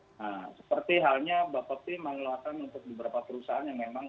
nah seperti halnya bapak tim mengeluarkan untuk beberapa perusahaan yang memang